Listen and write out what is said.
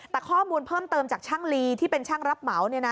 แต่ข้อมูลเพิ่มเติมจากช่างลีที่เป็นช่างรับเหมา